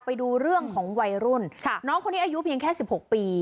ไปดูเรื่องของวัยรุ่นค่ะน้องคนนี้อายุเพียงแค่สิบหกปี